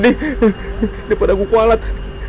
daripada aku kualat